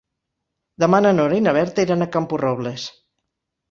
Demà na Nora i na Berta iran a Camporrobles.